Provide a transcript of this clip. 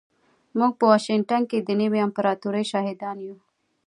موږ به په واشنګټن کې د نوې امپراتورۍ شاهدان یو